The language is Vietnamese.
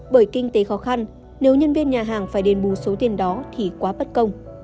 bởi kinh tế khó khăn nếu nhân viên nhà hàng phải đền bù số tiền đó thì quá bất công